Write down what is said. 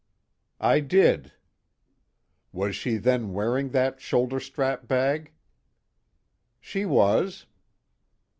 "I did." "Was she then wearing that shoulder strap bag?" "She was."